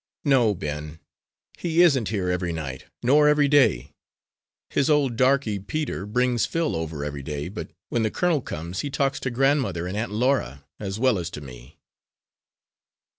"No, Ben, he isn't here every night, nor every day. His old darky, Peter, brings Phil over every day; but when the colonel comes he talks to grandmother and Aunt Laura, as well as to me."